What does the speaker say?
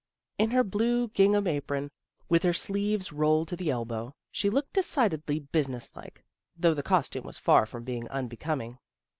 In her blue gingham apron, with her sleeves rolled to the elbow, she looked decidedly busi nesslike, though the costume was far from being unbecoming.